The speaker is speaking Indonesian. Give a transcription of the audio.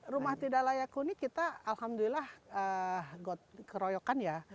rumah tidak layak huni kita alhamdulillah keroyokan ya